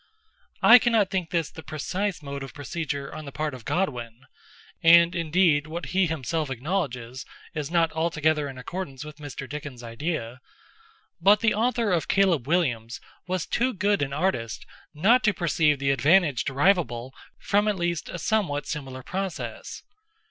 I cannot think this the precise mode of procedure on the part of Godwin—and indeed what he himself acknowledges, is not altogether in accordance with Mr. Dickens' idea—but the author of Caleb Williams was too good an artist not to perceive the advantage derivable from at least a somewhat similar process.